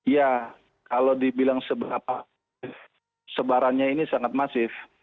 ya kalau dibilang sebarannya ini sangat masif